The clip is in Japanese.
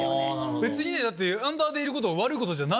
別にアンダーでいることが悪いことじゃない。